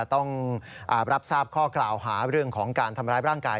ต้องรับทราบข้อกล่าวหาเรื่องของการทำร้ายร่างกาย